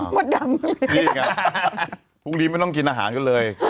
พรุ่งนี้ไม่ต้องกินอาหารก็เลย